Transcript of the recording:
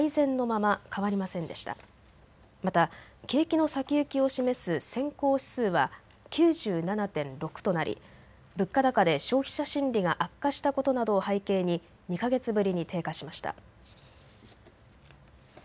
また景気の先行きを示す先行指数は９７．６となり物価高で消費者心理が悪化したことなどを背景に２か月ぶりに低下しました。